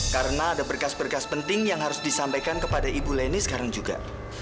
karena ada berkas berkas penting yang harus disampaikan kepada ibu leni sekarang juga